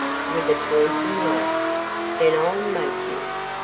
(with a taunting laugh), "then I'll make you."